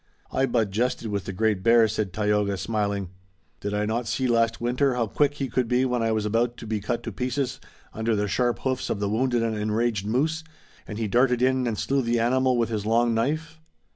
"I but jested with the Great Bear," said Tayoga, smiling. "Did I not see last winter how quick he could be when I was about to be cut to pieces under the sharp hoofs of the wounded and enraged moose, and he darted in and slew the animal with his long knife?"